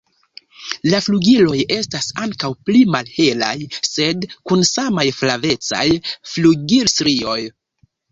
La flugiloj estas ankaŭ pli malhelaj sed kun samaj flavecaj flugilstrioj.